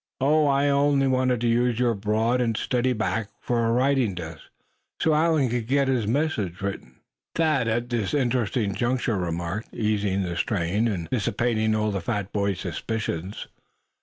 "Oh! I only want the use of your broad and steady back for a writing desk, so Allan can get his message written," Thad at this interesting juncture remarked, easing the strain, and dissipating all the fat boy's suspicions.